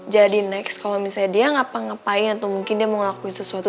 jadi next kalau misalnya dia ngapa ngapain atau mungkin dia mau ngelakuin sesuatu